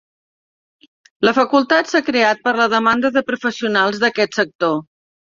La facultat s'ha creat per la demanda de professionals d'aquest sector